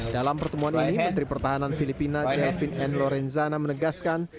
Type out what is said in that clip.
dalam pertemuan ini menteri pertahanan filipina kelvin n lorenzana menegaskan